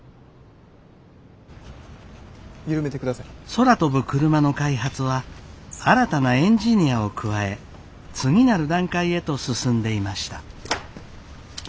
空飛ぶクルマの開発は新たなエンジニアを加え次なる段階へと進んでいました。